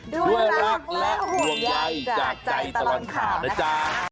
ด้วยรักและห่วงใยจากใจตลอดข่าวนะจ๊ะ